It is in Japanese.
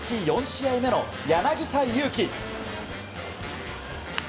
４試合目の柳田悠岐。